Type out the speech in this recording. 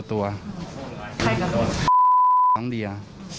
ใครกันตัวน่ะน้องเดียร์